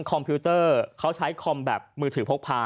คอมพิวเตอร์เขาใช้คอมแบบมือถือพกพา